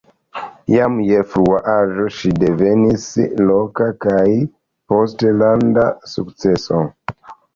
Jam je frua aĝo ŝi devenis loka kaj poste landa sukceso.